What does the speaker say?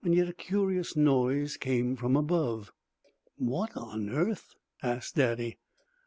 Yet a curious noise came from above. "What on earth ?" asked Daddy.